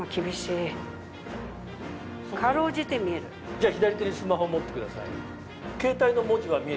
じゃあ左手にスマホ持ってください。